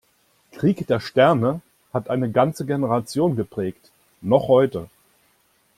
"Krieg der Sterne" hat eine ganze Generation geprägt. Noch heute.